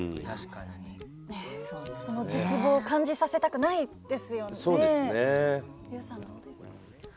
その絶望を感じさせたくないですよね。